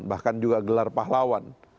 bahkan juga gelar pahlawan